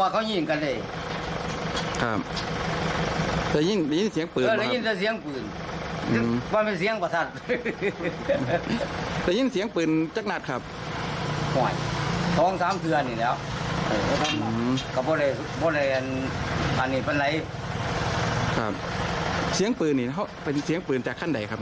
เสียงปืนนี่เป็นเสียงปืนจากขั้นใดครับ